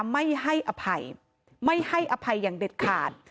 ไม่ให้อภัยไม่ให้อภัยอย่างเด็ดขาด